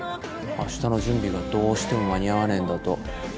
あしたの準備がどうしても間に合わねえんだと。